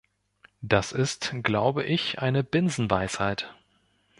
Das ist, glaube ich, eine Binsenweisheit.